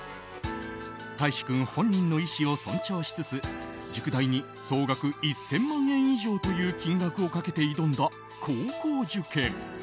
大維志君本人の意思を尊重しつつ塾代に総額１０００万円以上という金額をかけて挑んだ高校受験。